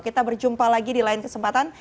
kita berjumpa lagi di lain kesempatan